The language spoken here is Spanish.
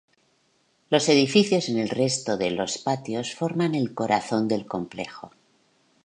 Los edificios en el resto de los patios forman el corazón del complejo.